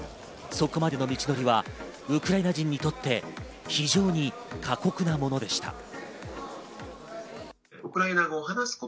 そこまでの道のりはウクライナ人にとって非常に過酷なものでした。